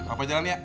papa jalan ya